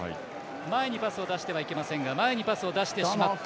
前にパスを出してはいけませんが前にパスを出してしまった。